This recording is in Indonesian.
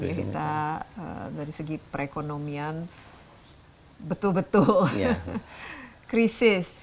kita dari segi perekonomian betul betul krisis